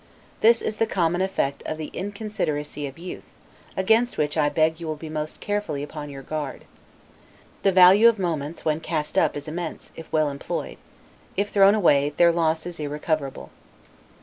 This is the common effect of the inconsideracy of youth, against which I beg you will be most carefully upon your guard. The value of moments, when cast up, is immense, if well employed; if thrown away, their loss is irrecoverable.